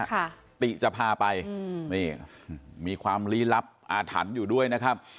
ติจะพาไปอืมนี่มีความลี้ลับอาถรรพ์อยู่ด้วยนะครับ